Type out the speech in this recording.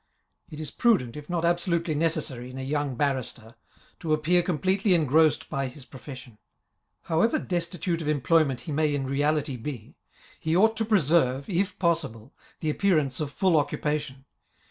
It is prudent, if not absolutely necessary, in a young barrister, to appear completely engrossed by his profession ; how ever destitute of employment he may in reality be, he ought to preserve, if possible, the appearance of full occupation.